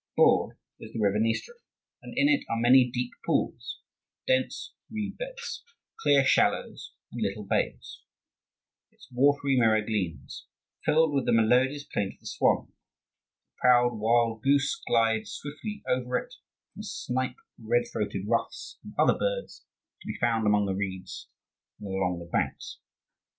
Broad is the river Dniester, and in it are many deep pools, dense reed beds, clear shallows and little bays; its watery mirror gleams, filled with the melodious plaint of the swan, the proud wild goose glides swiftly over it; and snipe, red throated ruffs, and other birds are to be found among the reeds and along the banks.